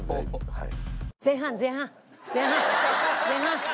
はい。